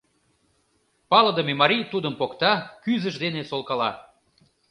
Палыдыме марий тудым покта, кӱзыж дене солкала.